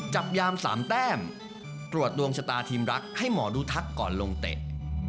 จับยาม๓แต้มตรวจดวงชะตาทีมรักให้หมอดูทักก่อนลงเตะ